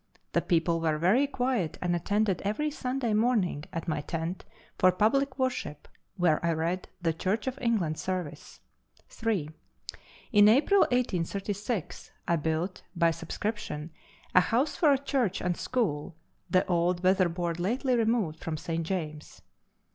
The people were very quiet and attended every Sunday morning at my tent for public worship, where I read the Church of England service. 3. In April 1836 I built, by subscription, a house for a church and school the old weatherboard lately removed from St. James's.